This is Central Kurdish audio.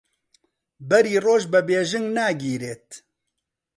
بەری ڕۆژ بە بێژنگ ناگیرێت